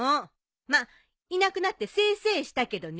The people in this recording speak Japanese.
まあいなくなって清々したけどね。